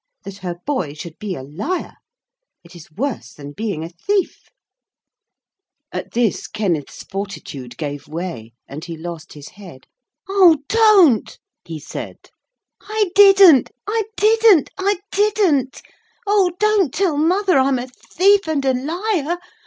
That her boy should be a liar. It is worse than being a thief!' At this Kenneth's fortitude gave way, and he lost his head. 'Oh, don't,' he said, 'I didn't. I didn't. I didn't. Oh! don't tell mother I'm a thief and a liar.